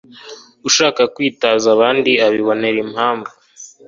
Ushaka kwitaza abandi abibonera impamvu